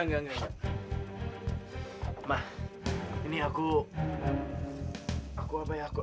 gak lihat pak